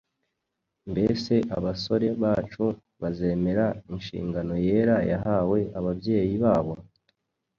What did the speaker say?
Mbese abasore bacu bazemera inshingano yera yahawe ababyeyi babo?